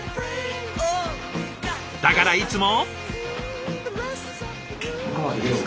だからいつも。